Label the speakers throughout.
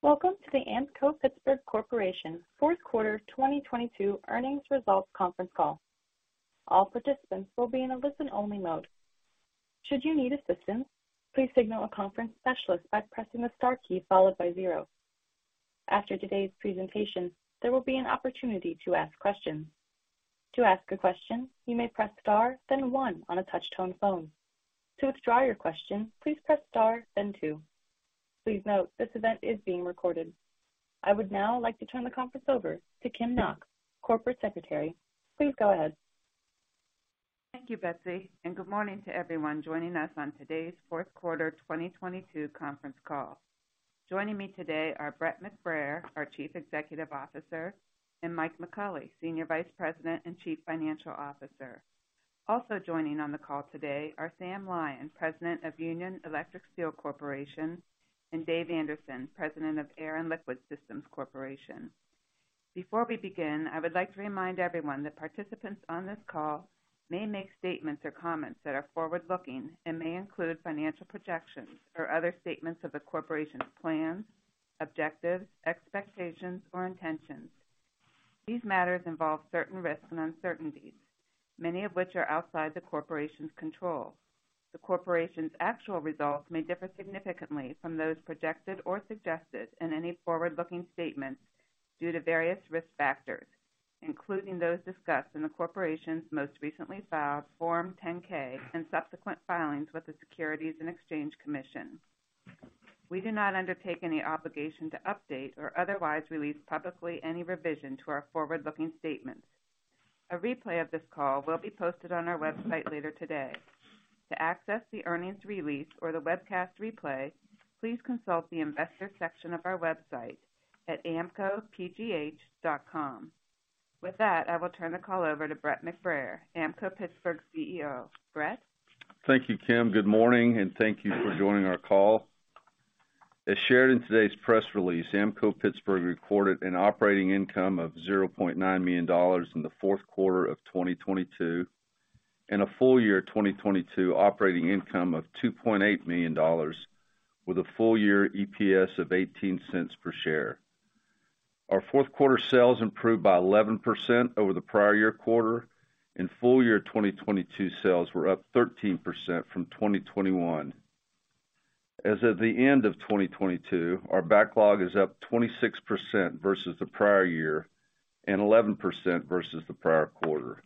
Speaker 1: Welcome to the Ampco-Pittsburgh Corporation fourth quarter 2022 earnings results conference call. All participants will be in a listen-only mode. Should you need assistance, please signal a conference specialist by pressing the star key followed by 0. After today's presentation, there will be an opportunity to ask questions. To ask a question, you may press Star, then 1 on a touch-tone phone. To withdraw your question, please press Star then 2. Please note, this event is being recorded. I would now like to turn the conference over to Kim Knox, Corporate Secretary. Please go ahead.
Speaker 2: Thank you, Betsy, and good morning to everyone joining us on today's fourth quarter 2022 conference call. Joining me today are Brett McBrayer, our Chief Executive Officer, and Michael McAuley, Senior Vice President and Chief Financial Officer. Also joining on the call today are Sam Lyon, President of Union Electric Steel Corporation, and Dave Anderson, President of Air & Liquid Systems Corporation. Before we begin, I would like to remind everyone that participants on this call may make statements or comments that are forward-looking and may include financial projections or other statements of the Corporation's plans, objectives, expectations or intentions. These matters involve certain risks and uncertainties, many of which are outside the Corporation's control. The Corporation's actual results may differ significantly from those projected or suggested in any forward-looking statement due to various risk factors, including those discussed in the Corporation's most recently filed Form 10-K and subsequent filings with the Securities and Exchange Commission. We do not undertake any obligation to update or otherwise release publicly any revision to our forward-looking statements. A replay of this call will be posted on our website later today. To access the earnings release or the webcast replay, please consult the investor section of our website at ampcopgh.com. With that, I will turn the call over to Brett McBrayer, Ampco-Pittsburgh CEO. Brett.
Speaker 3: Thank you, Kim. Good morning, and thank you for joining our call. As shared in today's press release, Ampco-Pittsburgh recorded an operating income of $0.9 million in the fourth quarter of 2022, and a full year 2022 operating income of $2.8 million, with a full year EPS of $0.18 per share. Our fourth quarter sales improved by 11% over the prior year quarter, and full year 2022 sales were up 13% from 2021. As of the end of 2022, our backlog is up 26% versus the prior year and 11% versus the prior quarter.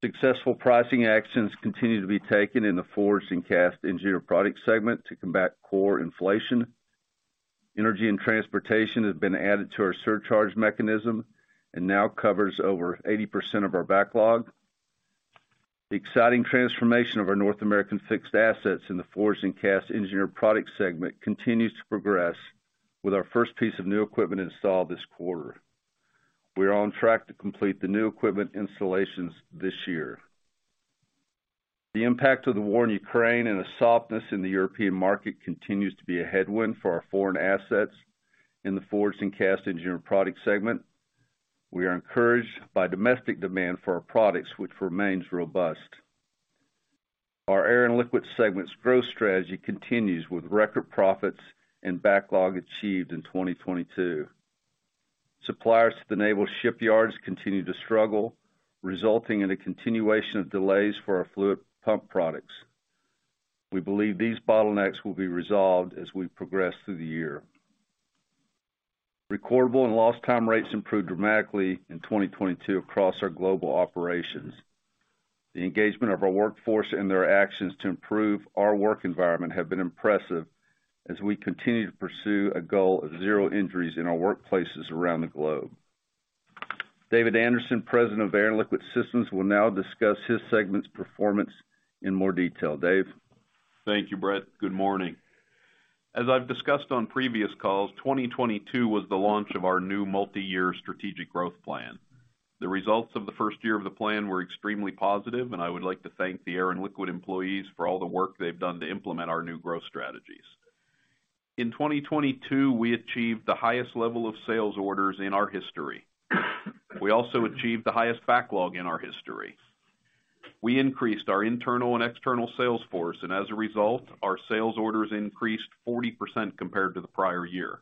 Speaker 3: Successful pricing actions continue to be taken in the Forged and Cast Engineered Products segment to combat core inflation. Energy and transportation have been added to our surcharge mechanism and now covers over 80% of our backlog. The exciting transformation of our North American fixed assets in the Forged and Cast Engineered Products segment continues to progress with our first piece of new equipment installed this quarter. We are on track to complete the new equipment installations this year. The impact of the war in Ukraine and the softness in the European market continues to be a headwind for our foreign assets in the Forged and Cast Engineered Products segment. We are encouraged by domestic demand for our products, which remains robust. Our Air and Liquid segment's growth strategy continues with record profits and backlog achieved in 2022. Suppliers to the naval shipyards continue to struggle, resulting in a continuation of delays for our fluid pump products. We believe these bottlenecks will be resolved as we progress through the year. Recordable and lost time rates improved dramatically in 2022 across our global operations. The engagement of our workforce and their actions to improve our work environment have been impressive as we continue to pursue a goal of zero injuries in our workplaces around the globe. David Anderson, President of Air & Liquid Systems, will now discuss his segment's performance in more detail. Dave.
Speaker 4: Thank you, Brett. Good morning. As I've discussed on previous calls, 2022 was the launch of our new multi-year strategic growth plan. The results of the first year of the plan were extremely positive, and I would like to thank the Air and Liquid employees for all the work they've done to implement our new growth strategies. In 2022, we achieved the highest level of sales orders in our history. We also achieved the highest backlog in our history. We increased our internal and external sales force, and as a result, our sales orders increased 40% compared to the prior year.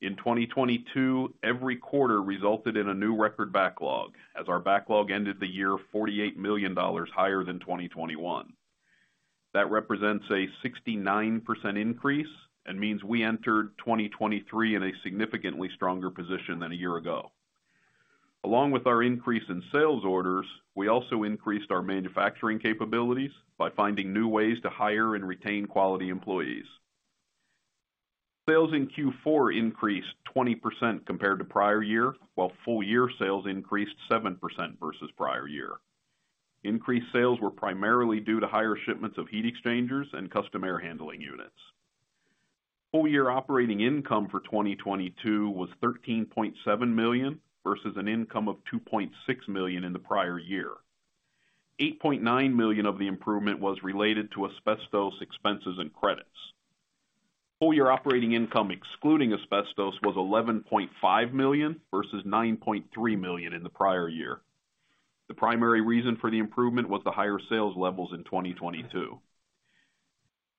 Speaker 4: In 2022, every quarter resulted in a new record backlog as our backlog ended the year $48 million higher than 2021. That represents a 69% increase and means we entered 2023 in a significantly stronger position than a year ago. Along with our increase in sales orders, we also increased our manufacturing capabilities by finding new ways to hire and retain quality employees. Sales in Q4 increased 20% compared to prior year, while full year sales increased 7% versus prior year. Increased sales were primarily due to higher shipments of heat exchangers and custom air handling units. Full year operating income for 2022 was $13.7 million versus an income of $2.6 million in the prior year. $8.9 million of the improvement was related to asbestos expenses and credits. Full year operating income excluding asbestos was $11.5 million versus $9.3 million in the prior year. The primary reason for the improvement was the higher sales levels in 2022.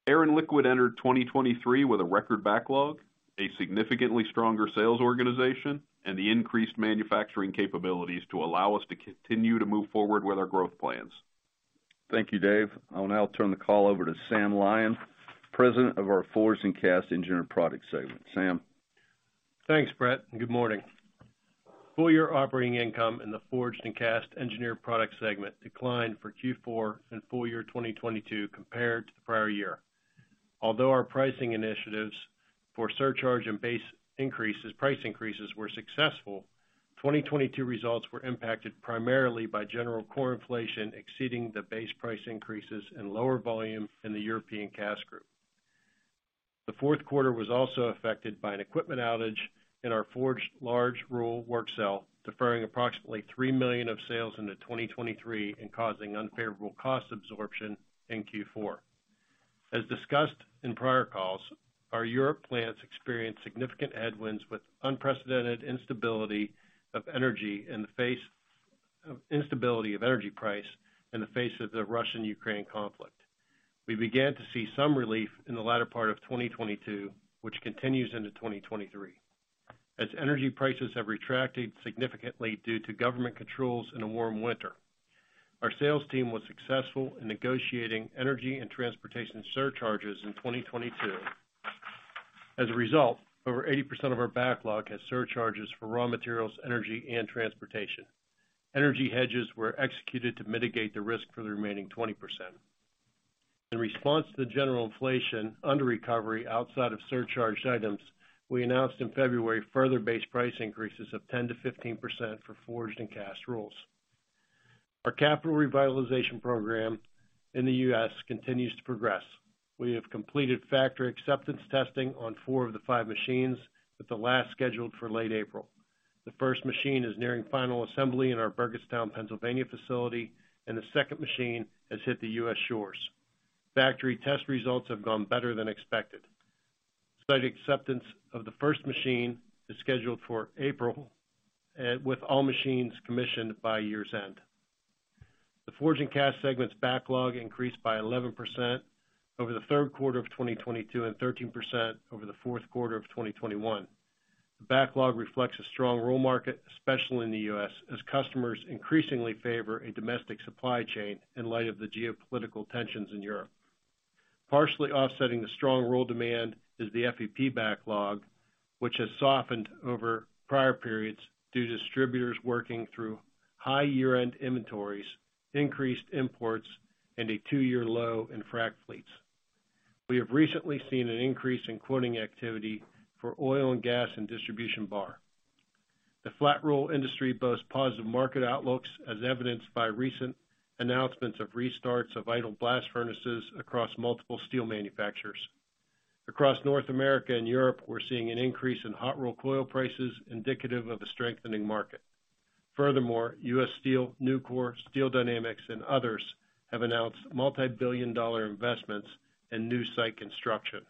Speaker 4: Air and Liquid entered 2023 with a record backlog, a significantly stronger sales organization, and the increased manufacturing capabilities to allow us to continue to move forward with our growth plans.
Speaker 3: Thank you, Dave. I will now turn the call over to Sam Lyon, President of our Forged and Cast Engineered Products segment. Sam?
Speaker 5: Thanks, Brett. Good morning. Full year operating income in the Forged and Cast Engineered Products segment declined for Q4 and full year 2022 compared to the prior year. Although our pricing initiatives for surcharge and base increases, price increases were successful, 2022 results were impacted primarily by general core inflation exceeding the base price increases and lower volume in the European cast group. The fourth quarter was also affected by an equipment outage in our forged large roll work cell, deferring approximately $3 million of sales into 2023 and causing unfavorable cost absorption in Q4. As discussed in prior calls, our Europe plants experienced significant headwinds with unprecedented instability of energy price in the face of the Russia-Ukraine conflict. We began to see some relief in the latter part of 2022, which continues into 2023. As energy prices have retracted significantly due to government controls in a warm winter, our sales team was successful in negotiating energy and transportation surcharges in 2022. As a result, over 80% of our backlog has surcharges for raw materials, energy, and transportation. Energy hedges were executed to mitigate the risk for the remaining 20%. In response to the general inflation under recovery outside of surcharged items, we announced in February further base price increases of 10%-15% for forged and cast rolls. Our capital revitalization program in the U.S. continues to progress. We have completed factory acceptance testing on 4 of the 5 machines, with the last scheduled for late April. The first machine is nearing final assembly in our Burgettstown, Pennsylvania facility, and the second machine has hit the U.S. shores. Factory test results have gone better than expected. Site acceptance of the first machine is scheduled for April, with all machines commissioned by year's end. The Forged and Cast segment's backlog increased by 11% over the 3rd quarter of 2022 and 13% over the 4th quarter of 2021. The backlog reflects a strong roll market, especially in the U.S., as customers increasingly favor a domestic supply chain in light of the geopolitical tensions in Europe. Partially offsetting the strong roll demand is the FEP backlog, which has softened over prior periods due to distributors working through high year-end inventories, increased imports, and a two-year low in frac fleets. We have recently seen an increase in quoting activity for oil and gas and distribution bar. The flat roll industry boasts positive market outlooks as evidenced by recent announcements of restarts of idle blast furnaces across multiple steel manufacturers. Across North America and Europe, we're seeing an increase in hot rolled coil prices indicative of a strengthening market. Furthermore, U.S. Steel, Nucor, Steel Dynamics, and others have announced multi-billion dollar investments in new site construction,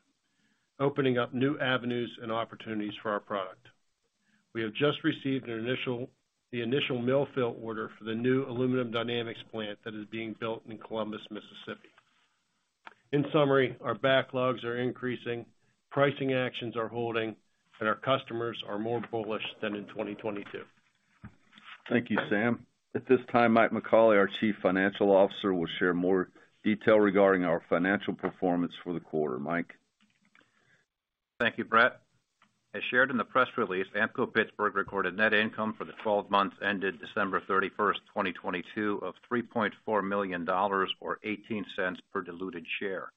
Speaker 5: opening up new avenues and opportunities for our product. We have just received the initial mill fill order for the new Aluminum Dynamics plant that is being built in Columbus, Mississippi. In summary, our backlogs are increasing, pricing actions are holding, and our customers are more bullish than in 2022.
Speaker 3: Thank you, Sam. At this time, Mike McAuley, our Chief Financial Officer, will share more detail regarding our financial performance for the quarter. Mike?
Speaker 6: Thank you, Brett. As shared in the press release, Ampco-Pittsburgh recorded net income for the 12 months ended December 31st, 2022 of $3.4 million or $0.18 per diluted share.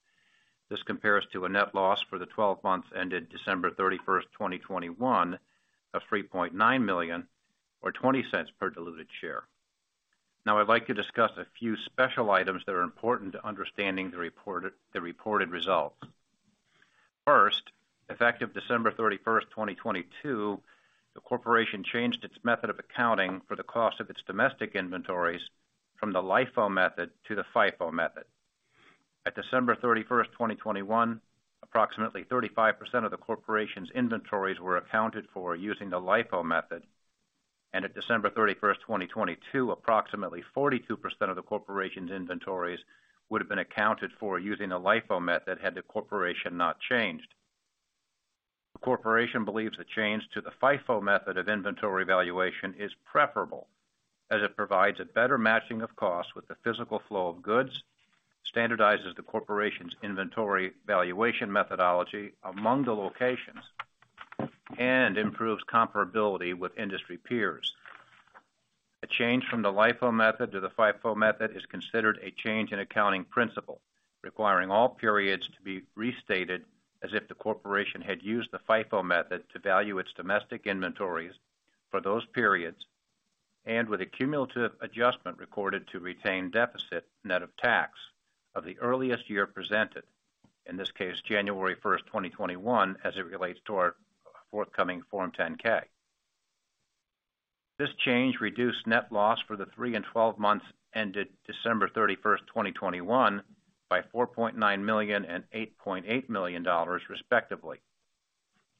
Speaker 6: This compares to a net loss for the 12 months ended December 31st, 2021 of $3.9 million or $0.20 per diluted share. I'd like to discuss a few special items that are important to understanding the reported results. Effective December 31st, 2022, the corporation changed its method of accounting for the cost of its domestic inventories from the LIFO method to the FIFO method. At December 31st, 2021, approximately 35% of the corporation's inventories were accounted for using the LIFO method. At December 31st, 2022, approximately 42% of the corporation's inventories would have been accounted for using a LIFO method had the corporation not changed. The corporation believes the change to the FIFO method of inventory valuation is preferable, as it provides a better matching of costs with the physical flow of goods, standardizes the corporation's inventory valuation methodology among the locations, and improves comparability with industry peers. A change from the LIFO method to the FIFO method is considered a change in accounting principle, requiring all periods to be restated as if the corporation had used the FIFO method to value its domestic inventories for those periods, and with a cumulative adjustment recorded to retain deficit net of tax of the earliest year presented, in this case, January 1, 2021, as it relates to our forthcoming Form 10-K. This change reduced net loss for the 3 and 12 months ended December 31, 2021 by $4.9 million and $8.8 million, respectively.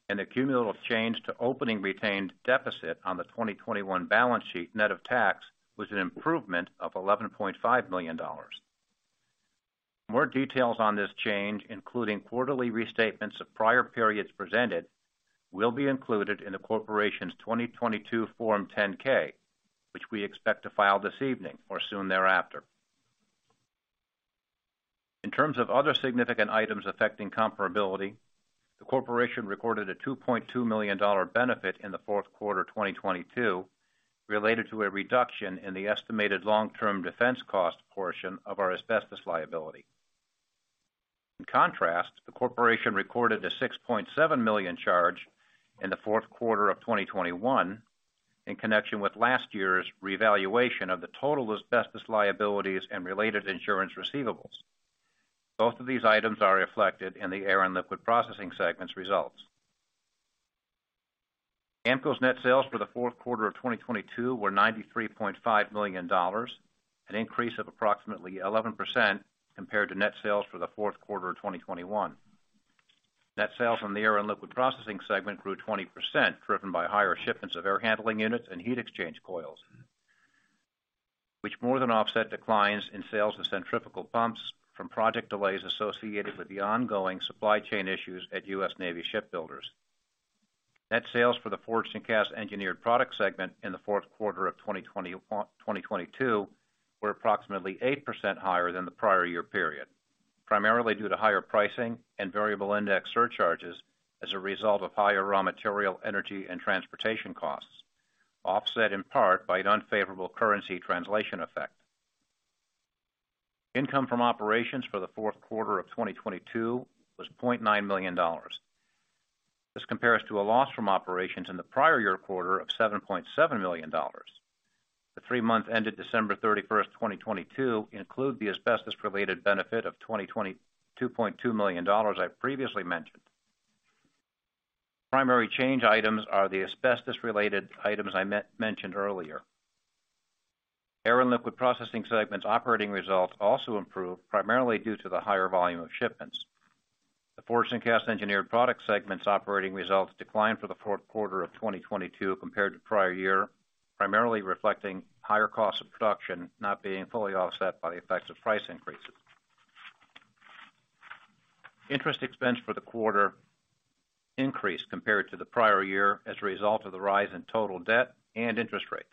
Speaker 6: The cumulative change to opening retained deficit on the 2021 balance sheet, net of tax, was an improvement of $11.5 million. More details on this change, including quarterly restatements of prior periods presented, will be included in the corporation's 2022 Form 10-K, which we expect to file this evening or soon thereafter. In terms of other significant items affecting comparability, the corporation recorded a $2.2 million benefit in the fourth quarter 2022 related to a reduction in the estimated long-term defense cost portion of our asbestos liability. In contrast, the corporation recorded a $6.7 million charge in the fourth quarter of 2021 in connection with last year's revaluation of the total asbestos liabilities and related insurance receivables. Both of these items are reflected in the Air and Liquid Processing segment's results. Ampco's net sales for the fourth quarter of 2022 were $93.5 million, an increase of approximately 11% compared to net sales for the fourth quarter of 2021. Net sales from the Air and Liquid Processing segment grew 20%, driven by higher shipments of air handling units and heat exchange coils, which more than offset declines in sales of centrifugal pumps from project delays associated with the ongoing supply chain issues at US Navy shipbuilders. Net sales for the Forged and Cast Engineered Products segment in the fourth quarter of 2022 were approximately 8% higher than the prior year period, primarily due to higher pricing and variable index surcharges as a result of higher raw material, energy, and transportation costs, offset in part by an unfavorable currency translation effect. Income from operations for the fourth quarter of 2022 was $0.9 million. This compares to a loss from operations in the prior year quarter of $7.7 million. The three months ended December 31, 2022 include the asbestos-related benefit of $22.2 million I previously mentioned. Primary change items are the asbestos-related items I mentioned earlier. Air and Liquid Processing segment's operating results also improved primarily due to the higher volume of shipments. The Forged and Cast Engineered Products segment's operating results declined for the fourth quarter of 2022 compared to prior year, primarily reflecting higher costs of production not being fully offset by the effects of price increases. Interest expense for the quarter increased compared to the prior year as a result of the rise in total debt and interest rates.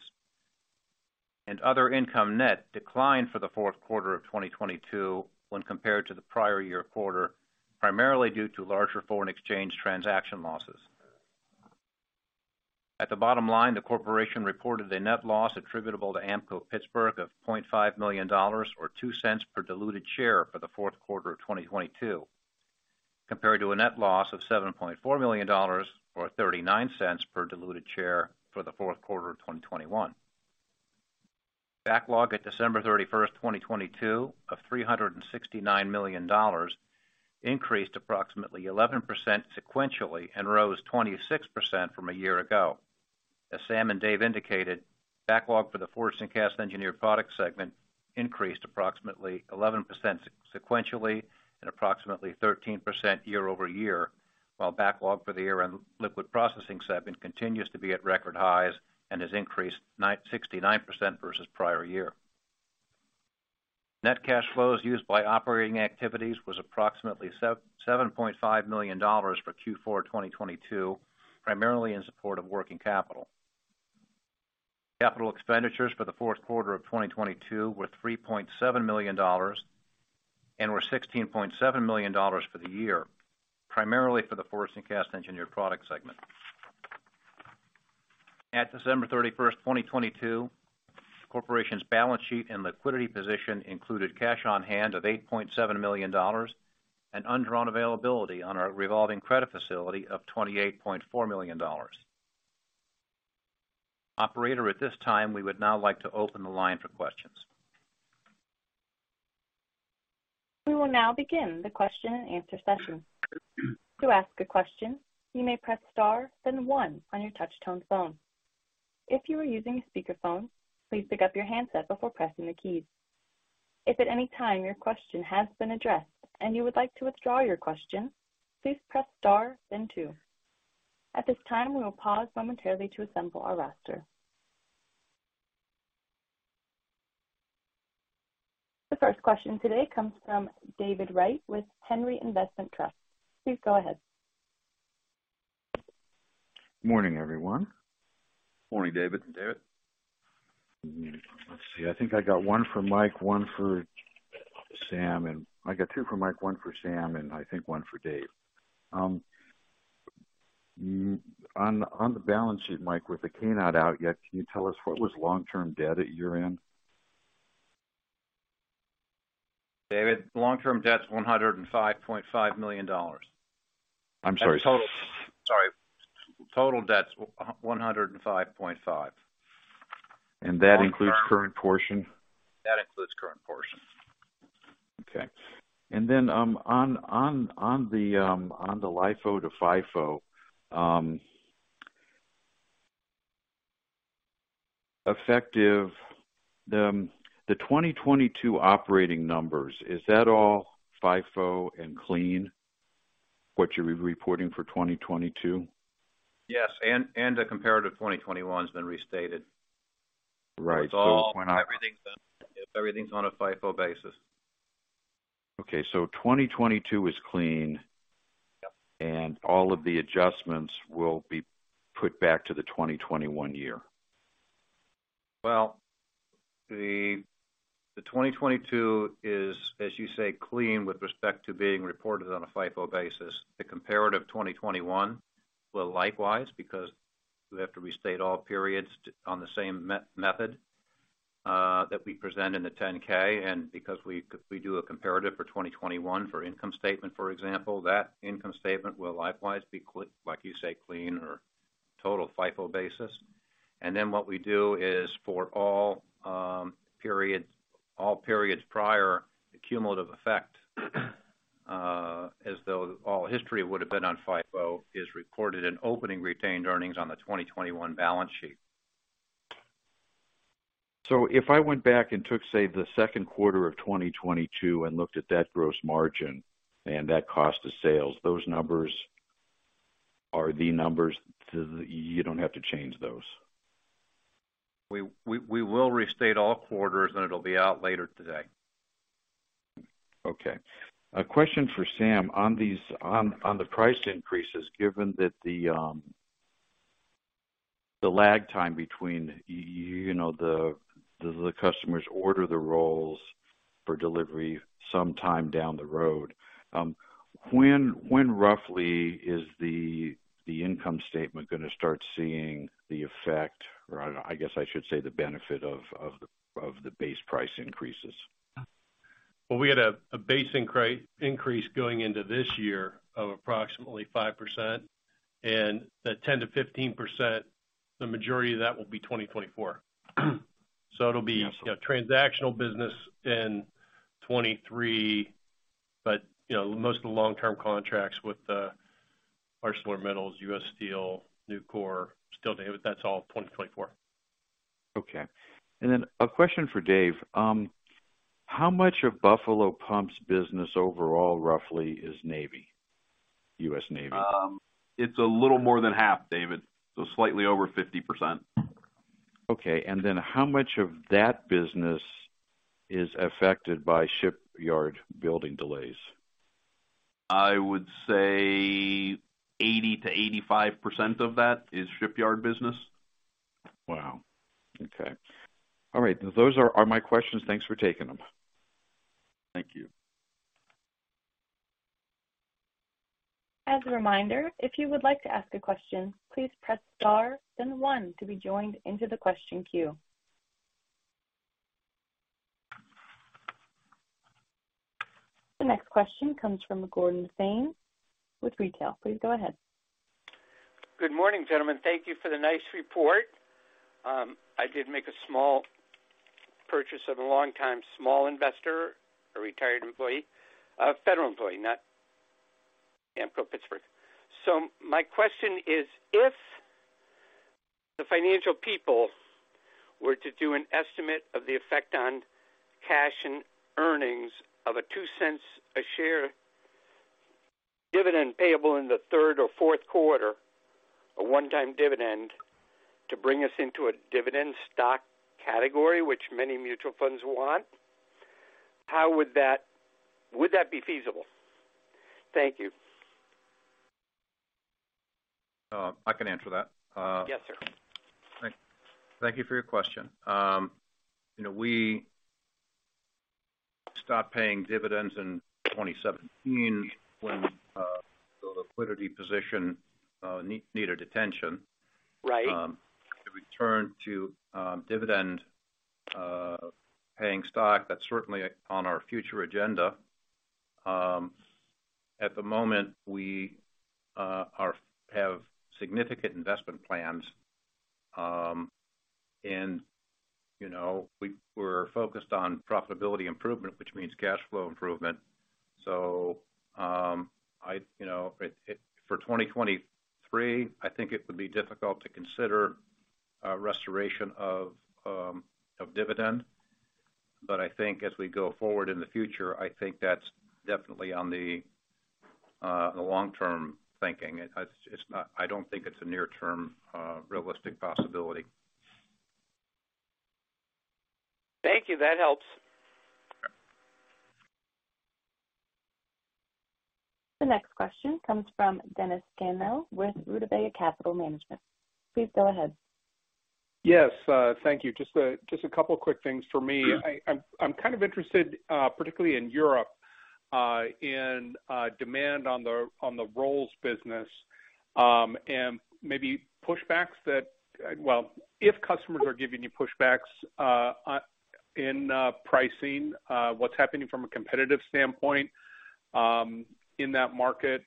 Speaker 6: Other income net declined for the fourth quarter of 2022 when compared to the prior year quarter, primarily due to larger foreign exchange transaction losses. At the bottom line, the corporation reported a net loss attributable to Ampco-Pittsburgh of $0.5 million or $0.02 per diluted share for the fourth quarter of 2022, compared to a net loss of $7.4 million or $0.39 per diluted share for the fourth quarter of 2021. Backlog at December 31, 2022 of $369 million increased approximately 11% sequentially and rose 26% from a year ago. As Sam and Dave indicated, backlog for the Forged and Cast Engineered Products segment increased approximately 11% sequentially and approximately 13% year-over-year, while backlog for the Air and Liquid Processing segment continues to be at record highs and has increased 69% versus prior year. Net cash flows used by operating activities was approximately $7.5 million for Q4 2022, primarily in support of working capital. Capital expenditures for the fourth quarter of 2022 were $3.7 million and were $16.7 million for the year, primarily for the Forged and Cast Engineered Products segment. At December 31st, 2022, corporation's balance sheet and liquidity position included cash on hand of $8.7 million and undrawn availability on our revolving credit facility of $28.4 million. Operator, at this time, we would now like to open the line for questions.
Speaker 1: We will now begin the question and answer session. To ask a question, you may press star then one on your touch tone phone. If you are using a speakerphone, please pick up your handset before pressing the keys. If at any time your question has been addressed and you would like to withdraw your question, please press star then two. At this time, we will pause momentarily to assemble our roster. The first question today comes from David Wright with Henry Investment Trust. Please go ahead.
Speaker 7: Morning, everyone.
Speaker 6: Morning, David.
Speaker 1: David?
Speaker 7: Let's see. I think I got one for Mike, one for Sam, and... I got two for Mike, one for Sam, and I think one for Dave. On the balance sheet, Mike, with the K not out yet, can you tell us what was long-term debt at year-end?
Speaker 6: David, long-term debt's $105.5 million.
Speaker 7: I'm sorry.
Speaker 6: Total. Sorry. Total debt's $105.5 million.
Speaker 7: That includes current portion?
Speaker 6: That includes current portion.
Speaker 7: Okay. On the LIFO to FIFO, Effective the 2022 operating numbers, is that all FIFO and clean, what you're re-reporting for 2022?
Speaker 6: Yes. The comparative 2021's been restated.
Speaker 7: Right. when I-
Speaker 6: Everything's done. Yep, everything's on a FIFO basis.
Speaker 7: Okay. 2022 is clean.
Speaker 6: Yep.
Speaker 7: All of the adjustments will be put back to the 2021 year.
Speaker 6: Well, the 2022 is, as you say, clean with respect to being reported on a FIFO basis. The comparative 2021 will likewise, because we have to restate all periods on the same method that we present in the 10-K. Because we do a comparative for 2021 for income statement, for example, that income statement will likewise be like you say, clean or total FIFO basis. What we do is for all periods, all periods prior, the cumulative effect, as though all history would have been on FIFO, is recorded in opening retained earnings on the 2021 balance sheet.
Speaker 7: If I went back and took, say, the second quarter of 2022 and looked at that gross margin and that cost of sales, those numbers are the numbers, so you don't have to change those.
Speaker 6: We will restate all quarters, and it'll be out later today.
Speaker 7: Okay. A question for Sam. On the price increases, given that the lag time between, you know, the customers order the rolls for delivery sometime down the road, when roughly is the income statement gonna start seeing the effect or, I guess I should say, the benefit of the base price increases?
Speaker 5: Well, we had a base increase going into this year of approximately 5%. The 10%-15%, the majority of that will be 2024. It'll be
Speaker 7: Yeah.
Speaker 5: you know, transactional business in 2023. you know, most of the long-term contracts with ArcelorMittal, U.S. Steel, Nucor still, that's all 2024.
Speaker 7: Okay. Then a question for Dave. How much of Buffalo Pumps's business overall roughly is Navy, US Navy?
Speaker 4: It's a little more than half, David. Slightly over 50%.
Speaker 7: Okay. How much of that business is affected by shipyard building delays?
Speaker 4: I would say 80%-85% of that is shipyard business.
Speaker 7: Wow. Okay. All right. Those are my questions. Thanks for taking them.
Speaker 4: Thank you.
Speaker 1: As a reminder, if you would like to ask a question, please press star then one to be joined into the question queue. The next question comes from Gordon Thane with Retail. Please go ahead.
Speaker 8: Good morning, gentlemen. Thank you for the nice report. I did make a small purchase of a longtime small investor, a retired employee, a federal employee, not Ampco-Pittsburgh. My question is, if the financial people were to do an estimate of the effect on cash and earnings of a $0.02 a share dividend payable in the 3rd or 4th quarter, a one-time dividend to bring us into a dividend stock category, which many mutual funds want, would that be feasible? Thank you.
Speaker 6: I can answer that.
Speaker 8: Yes, sir.
Speaker 6: Thank you for your question. you know, we stopped paying dividends in 2017 when the liquidity position needed attention.
Speaker 8: Right.
Speaker 6: To return to dividend paying stock, that's certainly on our future agenda. At the moment, we have significant investment plans, and, you know, we're focused on profitability improvement, which means cash flow improvement. I, you know, for 2023, I think it would be difficult to consider a restoration of dividend. I think as we go forward in the future, I think that's definitely on the long-term thinking. I don't think it's a near-term realistic possibility.
Speaker 8: Thank you. That helps.
Speaker 1: The next question comes from Dennis Scannell with Rutabaga Capital Management. Please go ahead.
Speaker 9: Yes, thank you. Just a couple quick things for me. I'm kind of interested, particularly in Europe, in demand on the rolls business, and maybe pushbacks that. Well, if customers are giving you pushbacks, in pricing, what's happening from a competitive standpoint, in that market,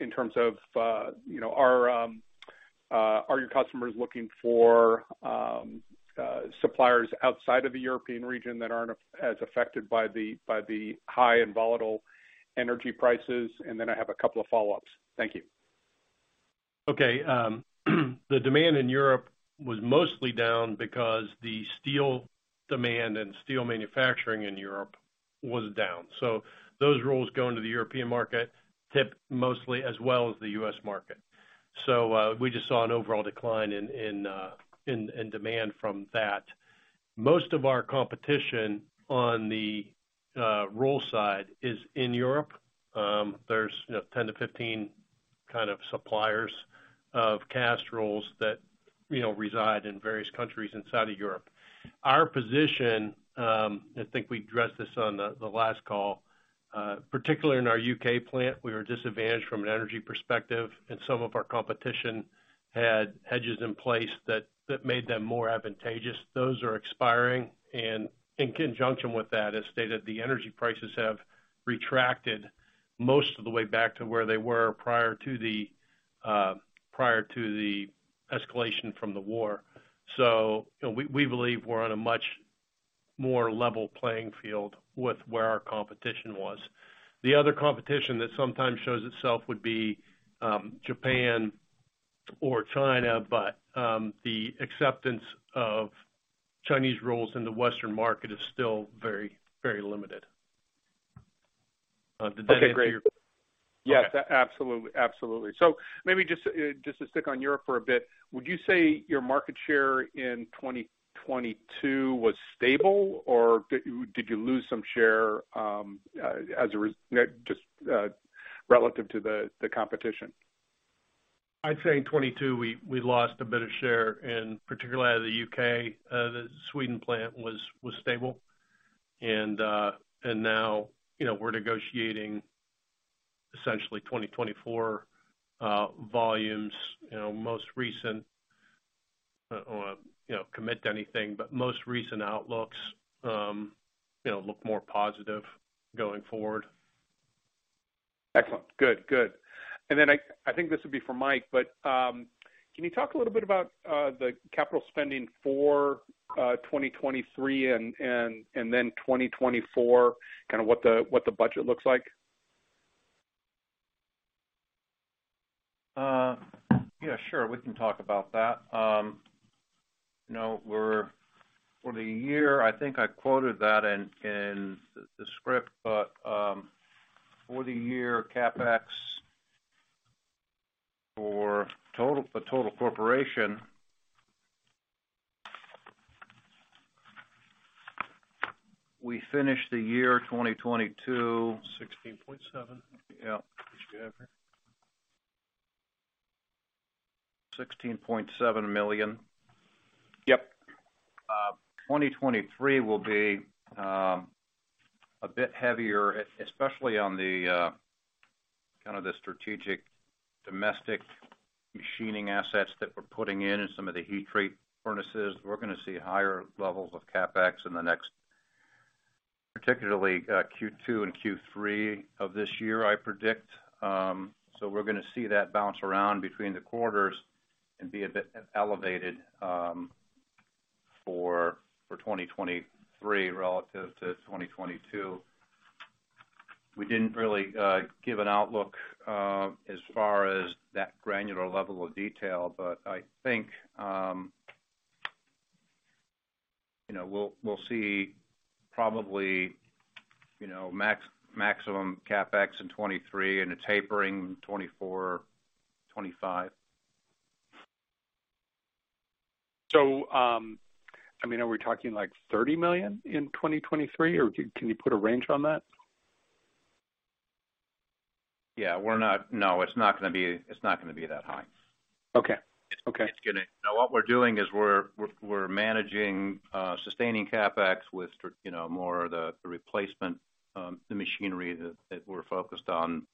Speaker 9: in terms of, you know, are your customers looking for suppliers outside of the European region that aren't as affected by the high and volatile energy prices? I have a couple of follow-ups. Thank you.
Speaker 6: Okay. The demand in Europe was mostly down because the steel demand and steel manufacturing in Europe was down. Those rolls go into the European market, tip mostly as well as the US market. We just saw an overall decline in demand from that. Most of our competition on the roll side is in Europe. There's, you know, 10 to 15 kind of suppliers of cast rolls that, you know, reside in various countries inside of Europe. Our position, I think we addressed this on the last call, particularly in our UK plant, we were disadvantaged from an energy perspective, and some of our competition had hedges in place that made them more advantageous. Those are expiring, In conjunction with that, as stated, the energy prices have retracted most of the way back to where they were prior to the escalation from the war. You know, we believe we're on a much more level playing field with where our competition was. The other competition that sometimes shows itself would be Japan or China, The acceptance of Chinese rolls in the Western market is still very, very limited. Did that answer your-
Speaker 9: Okay, great.
Speaker 6: Okay.
Speaker 9: Yes. Absolutely. Absolutely. Maybe just to stick on Europe for a bit, would you say your market share in 2022 was stable, or did you lose some share, as just relative to the competition?
Speaker 6: I'd say in 2022 we lost a bit of share, and particularly out of the UK. The Sweden plant was stable. Now, we're negotiating essentially 2024 volumes. Most recent commit to anything, but most recent outlooks look more positive going forward.
Speaker 9: Excellent. Good. I think this would be for Mike, but can you talk a little bit about the capital spending for 2023 and then 2024, kind of what the budget looks like?
Speaker 6: Yeah, sure. We can talk about that. You know, for the year, I think I quoted that in the script, but for the year CapEx for the total corporation we finished the year 2022.
Speaker 3: 16.7.
Speaker 6: Yeah.
Speaker 9: What you have here.
Speaker 6: $16.7 million.
Speaker 9: Yep.
Speaker 6: 2023 will be a bit heavier, especially on the strategic domestic machining assets that we're putting in and some of the heat treat furnaces. We're gonna see higher levels of CapEx in the next, particularly, Q2 and Q3 of this year, I predict. We're gonna see that bounce around between the quarters and be a bit elevated for 2023 relative to 2022. We didn't really give an outlook as far as that granular level of detail, but I think, you know, we'll see probably, you know, maximum CapEx in 2023 and a tapering in 2024, 2025.
Speaker 9: I mean, are we talking like $30 million in 2023, or can you put a range on that?
Speaker 6: Yeah. No, it's not gonna be that high.
Speaker 9: Okay. Okay.
Speaker 6: Now what we're doing is we're managing, you know, more of the replacement, the machinery that we're focused on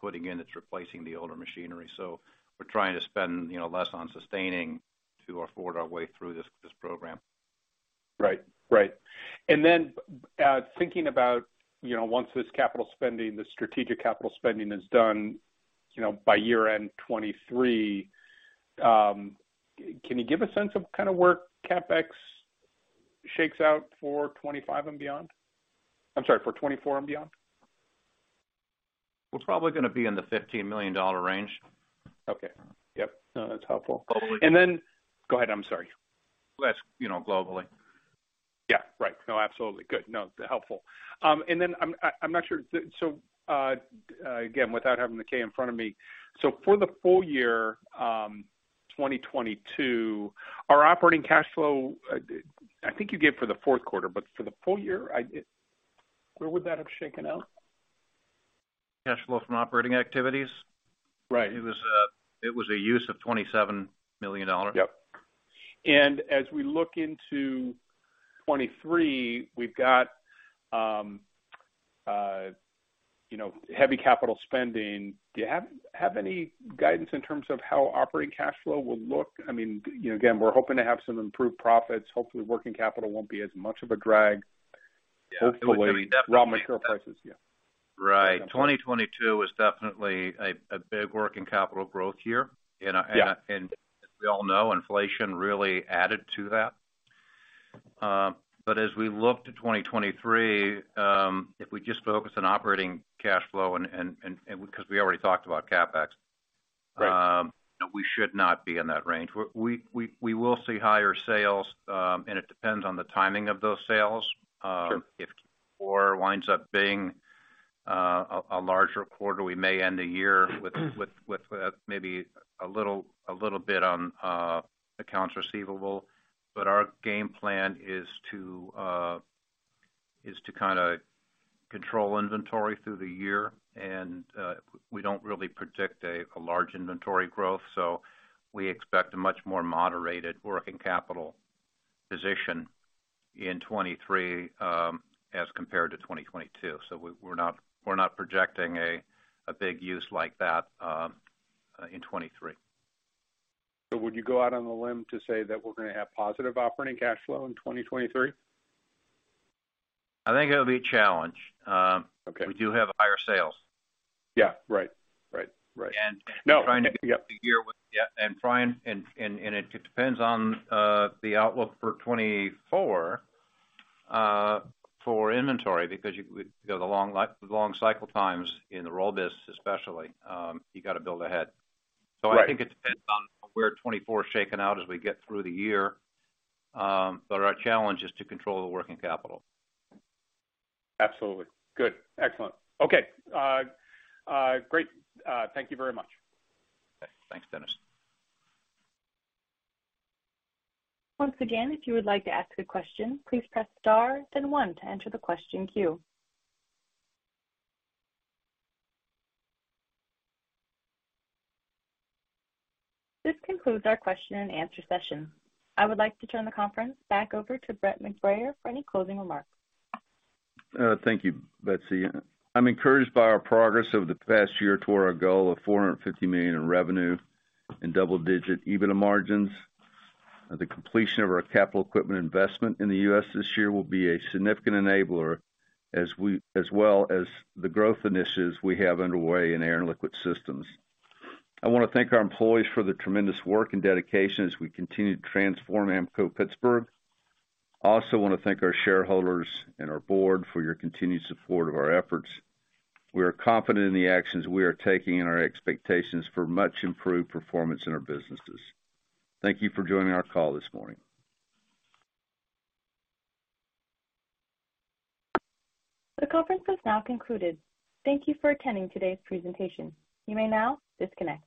Speaker 6: putting in. It's replacing the older machinery. We're trying to spend, you know, less on sustaining to afford our way through this program.
Speaker 9: Right. Right. Then, thinking about, you know, once this capital spending, the strategic capital spending is done, you know, by year-end 2023, can you give a sense of kind of where CapEx shakes out for 2025 and beyond? I'm sorry, for 2024 and beyond.
Speaker 6: We're probably gonna be in the $15 million range.
Speaker 9: Okay. Yep. No, that's helpful.
Speaker 6: Probably-
Speaker 9: Go ahead. I'm sorry.
Speaker 6: That's, you know, globally.
Speaker 9: Yeah. Right. No, absolutely. Good. No, helpful. I'm not sure. Again, without having the K in front of me, so for the full year, 2022, our operating cash flow, I think you gave for the fourth quarter, but for the full year, I. Where would that have shaken out?
Speaker 6: Cash flow from operating activities?
Speaker 9: Right.
Speaker 6: It was a use of $27 million.
Speaker 9: As we look into 2023, we've got, you know, heavy capital spending. Do you have any guidance in terms of how operating cash flow will look? I mean, you know, again, we're hoping to have some improved profits. Hopefully, working capital won't be as much of a drag.
Speaker 6: Yeah.
Speaker 9: Hopefully, raw material prices. Yeah.
Speaker 6: Right. 2022 was definitely a big working capital growth year.
Speaker 9: Yeah.
Speaker 6: As we all know, inflation really added to that. As we look to 2023, if we just focus on operating cash flow 'cause we already talked about CapEx.
Speaker 9: Right.
Speaker 6: We should not be in that range. We will see higher sales, and it depends on the timing of those sales.
Speaker 9: Sure.
Speaker 6: If Q4 winds up being a larger quarter, we may end the year with maybe a little bit on accounts receivable. Our game plan is to kind of control inventory through the year and we don't really predict a large inventory growth, so we expect a much more moderated working capital position in 2023 as compared to 2022. We're not projecting a big use like that in 2023.
Speaker 9: Would you go out on a limb to say that we're gonna have positive operating cash flow in 2023?
Speaker 6: I think it'll be a challenge.
Speaker 9: Okay.
Speaker 6: We do have higher sales.
Speaker 9: Yeah. Right. Right. Right.
Speaker 6: And we're trying to-
Speaker 9: No. Yep.
Speaker 6: Yeah, trying... it depends on the outlook for 2024 for inventory because we got the long cycle times in the roll disks especially. You gotta build ahead.
Speaker 9: Right.
Speaker 6: I think it depends on where 24's shaken out as we get through the year. But our challenge is to control the working capital.
Speaker 9: Absolutely. Good. Excellent. Okay. Great. Thank you very much.
Speaker 6: Thanks, Dennis.
Speaker 1: Once again, if you would like to ask a question, please press star then one to enter the question queue. This concludes our question and answer session. I would like to turn the conference back over to Brett McBrayer for any closing remarks.
Speaker 6: Thank you, Betsy. I'm encouraged by our progress over the past year toward our goal of $450 million in revenue and double-digit EBITDA margins. The completion of our capital equipment investment in the U.S. this year will be a significant enabler as well as the growth initiatives we have underway in Air and Liquid Systems. I wanna thank our employees for their tremendous work and dedication as we continue to transform Ampco-Pittsburgh. I also wanna thank our shareholders and our board for your continued support of our efforts. We are confident in the actions we are taking and our expectations for much improved performance in our businesses. Thank you for joining our call this morning.
Speaker 1: The conference has now concluded. Thank you for attending today's presentation. You may now disconnect.